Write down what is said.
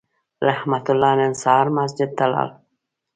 رحمت الله نن سهار مسجد ته لاړ